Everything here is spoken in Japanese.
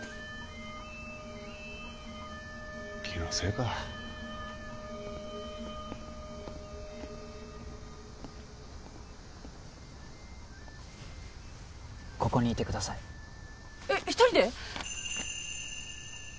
気のせいかここにいてくださいえっ一人で？